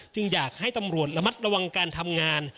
อยากให้ตำรวจระมัดระวังการทำงาน